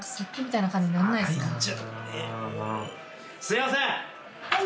すいません！